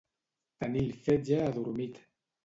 Tenir el fetge adormit.